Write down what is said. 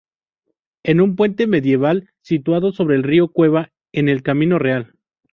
Es un puente medieval situado sobre el río Cueva, en el camino Real.